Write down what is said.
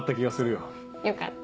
よかった。